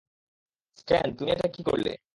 স্ট্যান, তুমি এটা কী করলে?